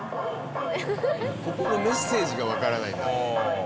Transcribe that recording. メッセージがわからないから。